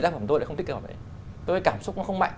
tác phẩm tôi lại không thích cả vậy tôi thấy cảm xúc nó không mạnh